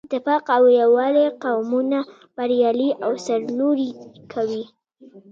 اتفاق او یووالی قومونه بریالي او سرلوړي کوي.